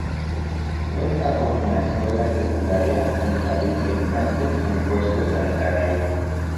Cuenta con una escuela secundaria, un jardín de infantes y un puesto sanitario.